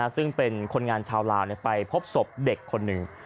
ซึ่งเป็นคนงานชาวลาวไปพบศพเด็กคนหนึ่ง